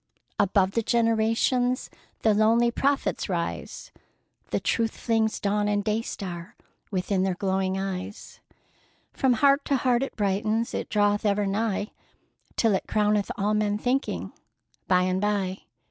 Above the generations The lonely prophets rise,— The Truth flings dawn and day star Within their glowing eyes; From heart to heart it brightens, It draweth ever nigh, Till it crowneth all men thinking, by and by!